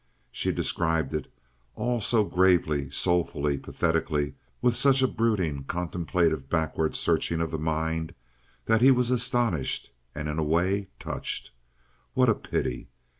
She described it all so gravely, soulfully, pathetically, with such a brooding, contemplative backward searching of the mind, that he was astonished and in a way touched. What a pity!